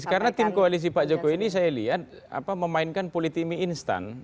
karena tim koalisi pak joko ini saya lihat memainkan politimi instan